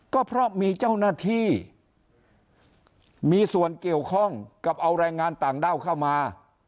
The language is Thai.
ก็เพราะมีเจ้าหน้าที่มีส่วนเกี่ยวข้องกับเอาแรงงานต่างด้าวเข้ามา